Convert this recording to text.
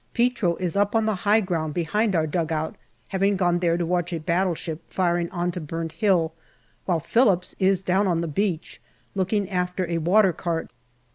Petro is up on the high ground behind our dugout, having gone there to watch a battleship firing on to Burnt Hill, while Phillips is down on the beach, looking after a water cart.